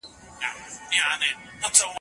د ميرويس خان نيکه شخصي ژوند څومره ساده و؟